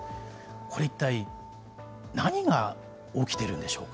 これ一体何が起きているんでしょうか。